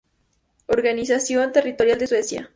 Organización territorial de Suecia